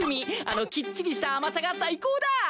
あのきっちりした甘さが最高だ！